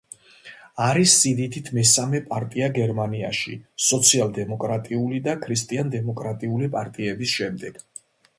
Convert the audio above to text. არის სიდიდით მესამე პარტია გერმანიაში სოციალ-დემოკრატიული და ქრისტიან-დემოკრატიული პარტიების შემდეგ.